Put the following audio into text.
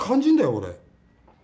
俺。